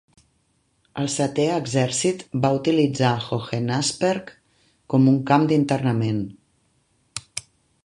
El setè exèrcit va utilitzar Hohenasperg com un camp d'internament.